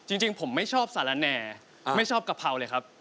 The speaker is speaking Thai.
จริงผมไม่ชอบสาระแน่ไม่ชอบกะเพราเลยครับ